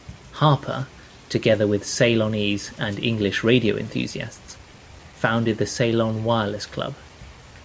Harper together with Ceylonese and English radio enthusiasts founded the Ceylon Wireless Club.